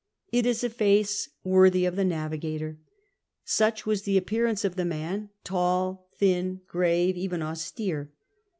It is a face worthy of the navigator. Such was the appearance of the man : tall, thin, grave, even austere.